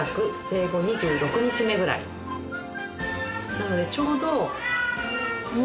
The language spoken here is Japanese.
なのでちょうど。